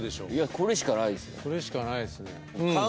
これしかないですね